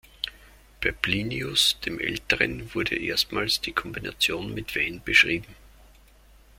Bei Plinius dem Älteren wurde erstmals die Kombination mit Wein beschrieben.